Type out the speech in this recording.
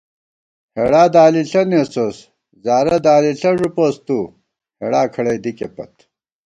ہېڑا دالِݪہ نېسوس ، زارہ دالِݪہ ݫُپوس تُو ہېڑا کھڑَئی دِکےپت